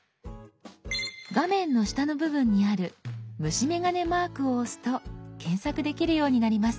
画面の下の部分にある虫眼鏡マークを押すと検索できるようになります。